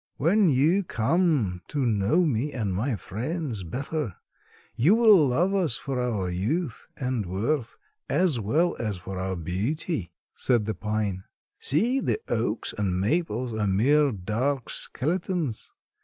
"When you come to know me and my friends better you will love us for our youth and worth as well as for our beauty," said the pine. "See—the oaks and maples are mere dark skeletons.